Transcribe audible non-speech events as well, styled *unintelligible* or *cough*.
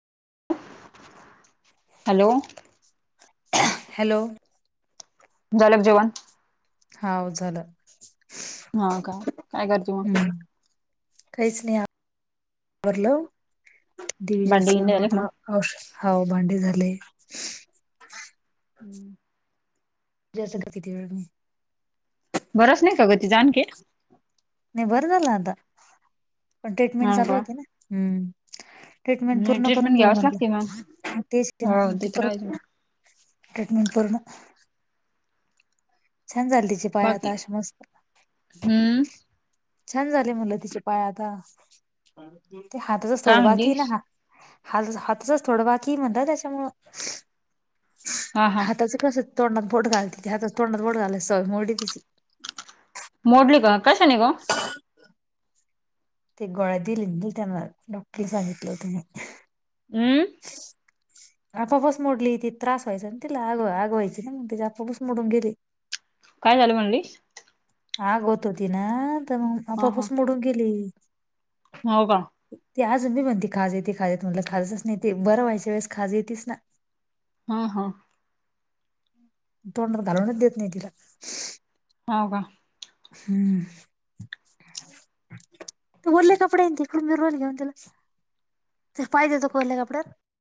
*inaudible* Hello. Hello. झालक जेवण. हाव झाल. हा का काय करती मग. काहीच नाही भरलं भांडी दिविजस्व. गिंडी झाले का *unintelligible* औश हाव भांडी झाले. हम्म. जस किती वेळ. *inaudible* बरंस नाही का गं ति जाण के. नाही बरं झालं आता पण ट्रीटमेंट हो चालू का होती ना हम्. ट्रीटमेंट नाही पूर्ण करून ट्रीटमेंट जाऊ घ्यावच लागते मग म्हणल्या तेच हो तिन ते तर आहेच मग. परत. ट्रीटमेंट पूर्ण. छान झालती तिचे पाय बाकी आता अशी मस्त. हम्म छान झाले मुलं तिचे पाय आता ते हाताचा काय सोड बाकी कि ना म्हणलीस हा. हल हातचच थोडं बाकी म्हणत त्याच्यामुळ. हा हा हाताचं कसं तोंडात बोट घालते हातात तोंडात बोट घालाय सवय मोडी तिची. मोडली का कश्यानी ग. ते गोळती लिगी त्यांना डाॅक्टरला सांगितलं त्यांना. हम्म. आपापस मोडली ति त्रास व्हायचाय तिला आग आगवायची ना मग तिच्या आपोआप च मोडून गेली. काय झालं म्हणलीस. आग होत होती ना तर मग हा आपोआप च हा मोडून गेली. हो का. ते आजून मी म्हणते खाज येते खाज येत म्हटलं खाजच नाहीे ते बरं व्हायच्या वेळेस खाज येतेस ना. हम ह्म्म. तोंडात घालूनच देत नाही तिला. हो का. हम्म. बोलले कपडे तिकडून *unintelligible* घेऊन तलास. *unintelligible* कोले कपड्यात.